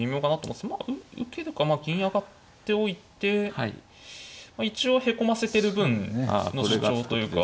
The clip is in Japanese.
まあ受けるか銀上がっておいて一応へこませてる分の主張というか。